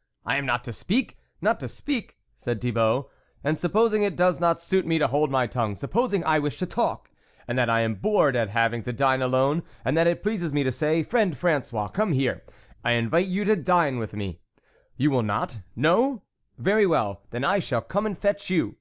" I am not to speak ? not to speak ?" said Thibault, " and supposing it does not suit me to hold my tongue, supposing I wish to talk, and that I am bored at having to dine alone ? and that it pleases me to say ;' Friend Frangois, come here ; I invite you to dine with me ?! You will not ? no ? very well, then I shall come and fetch you."